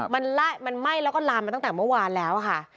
มันไหม้และแล้วอีกปีล้านคือลามแต่เมื่อวานแล้วค่ะ